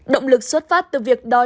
động lực xuất phát từ việc đói